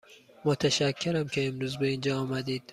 متشکرم که امروز به اینجا آمدید.